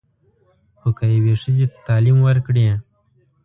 خو که یوې ښځې ته تعلیم ورکړې.